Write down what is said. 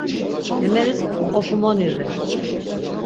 Emeris oqopumoni re.